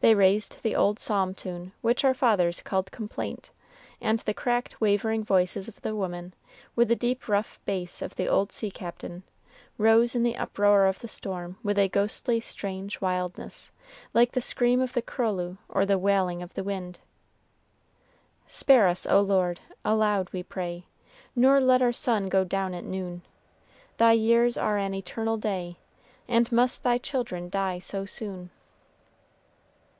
They raised the old psalm tune which our fathers called "Complaint," and the cracked, wavering voices of the women, with the deep, rough bass of the old sea captain, rose in the uproar of the storm with a ghostly, strange wildness, like the scream of the curlew or the wailing of the wind: "Spare us, O Lord, aloud we pray, Nor let our sun go down at noon: Thy years are an eternal day, And must thy children die so soon!"